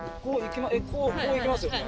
こういきますよね？